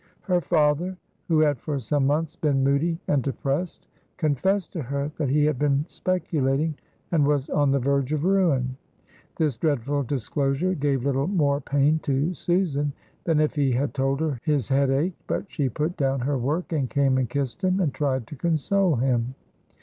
Her father, who had for some months been moody and depressed, confessed to her that he had been speculating and was on the verge of ruin. This dreadful disclosure gave little more pain to Susan than if he had told her his head ached; but she put down her work and came and kissed him, and tried to console him.